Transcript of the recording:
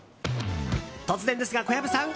突然ですが、小籔さん。